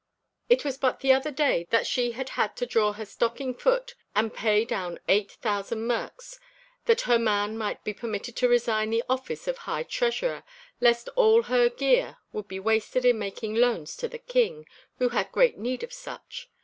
It was but the other day that she had had to draw her stocking foot and pay down eight thousand merks, that her man might be permitted to resign the office of High Treasurer, lest all her gear would be wasted in making loans to the King, who had great need of such.